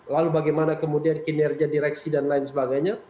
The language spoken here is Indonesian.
lalu bagaimana kemudian kinerja direksi dan lain sebagainya